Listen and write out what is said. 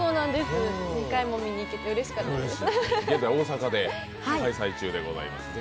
２回も見に行けてうれしかったです。